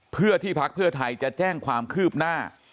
เพื่อที่พักเพื่อไทยจะแจ้งความคืบหน้า